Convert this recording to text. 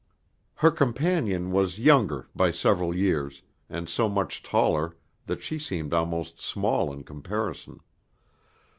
Her companion was younger by several years, and so much taller that she seemed almost small in comparison.